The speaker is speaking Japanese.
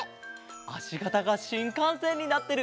あしがたがしんかんせんになってる！